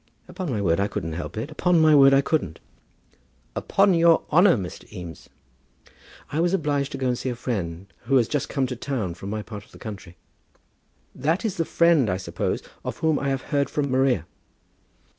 "Upon my word I couldn't help it; upon my honour I couldn't." "Upon your honour, Mr. Eames!" "I was obliged to go and see a friend who has just come to town from my part of the country." "That is the friend, I suppose, of whom I have heard from Maria."